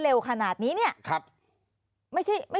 เจ้าหน้าที่แรงงานของไต้หวันบอก